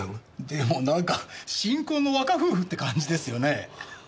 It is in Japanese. でもなんか新婚の若夫婦って感じですよね。